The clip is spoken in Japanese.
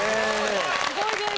すごいです。